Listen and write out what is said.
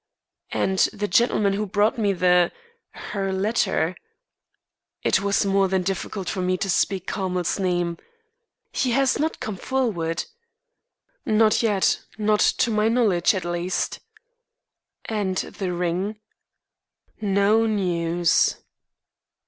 "And the gentleman who brought me the her letter?" It was more than difficult for me to speak Carmel's name. "He has not come forward?" "Not yet; not to my knowledge, at least." "And the ring?" "No news."